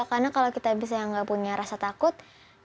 karena kalau kita bisa nggak punya rasa takut